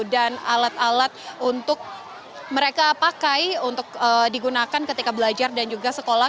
dan alat alat untuk mereka pakai untuk digunakan ketika belajar dan juga sekolah